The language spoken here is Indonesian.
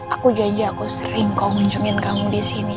aku janji aku sering kau kunjungin kamu disini